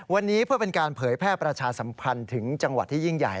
วันนี้เพื่อเป็นการเผยแพร่ประชาสัมพันธ์ถึงจังหวัดที่ยิ่งใหญ่